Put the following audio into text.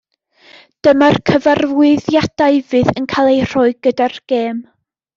Dyma'r cyfarwyddiadau fydd yn cael eu rhoi gyda'r gêm.